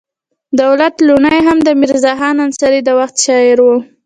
دولت لواڼی هم د میرزا خان انصاري د وخت شاعر و.